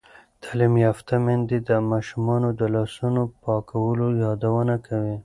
تعلیم یافته میندې د ماشومانو د لاسونو پاکولو یادونه کوي.